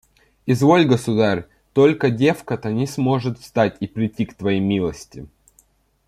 – «Изволь, государь; только девка-то не сможет встать и придти к твоей милости».